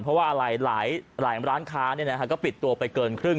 เพราะว่าอะไรหลายร้านค้าก็ปิดตัวไปเกินครึ่ง